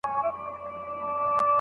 پر خاوند باندي د ميرمني مور حرامه ده.